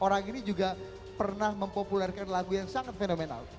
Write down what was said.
orang ini juga pernah mempopulerkan lagu yang sangat fenomenal